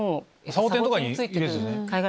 サボテンとかにいるやつですね。